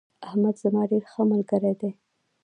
احمد زما ډیر ښه ملگرى دي